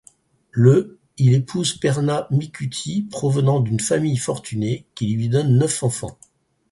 Le il épouse Perna Micuti provenant d'une famille fortunée qui lui donne neuf enfants.